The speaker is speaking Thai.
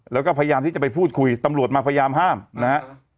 แล้วก็พยายามที่จะไปพูดคุยตำรวจมาพยายามห้ามนะฮะ